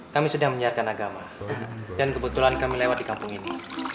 kami sedang menyiarkan agama dan kebetulan kami lewat di kampung ini